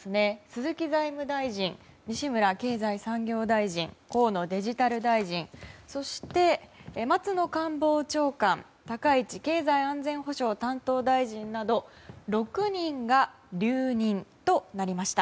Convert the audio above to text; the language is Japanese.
鈴木財務大臣、西村経産大臣河野デジタル大臣そして、松野官房長官高市経済安全保障担当大臣など６人が留任となりました。